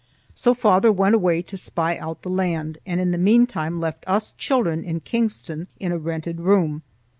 So father went away to spy out the land, and in the mean time left us children in Kingston in a rented room.